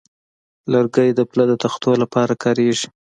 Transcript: لرګی د پله د تختو لپاره کارېږي.